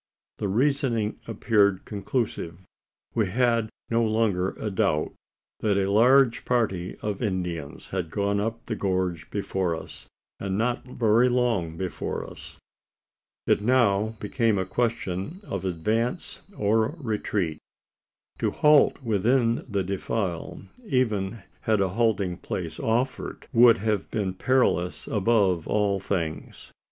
The reasoning appeared conclusive. We had no longer a doubt that a large party of Indians had gone up the gorge before us, and not very long before us. It now became a question of advance or retreat. To halt within the defile even had a halting place offered would have been perilous above all things.